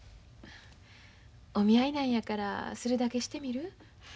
お見合いなんやからするだけしてみる？